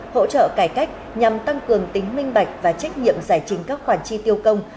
hỗ trợ cải cách nhằm tăng cường tính minh bạch và trách nhiệm giải trình các khoản chi tiêu công